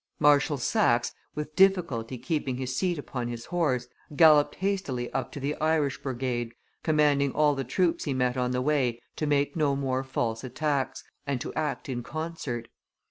Marshal Saxe, with difficulty keeping his seat upon his horse, galloped hastily up to the Irish brigade, commanding all the troops he met on the way to make no more false attacks, and to act in concert.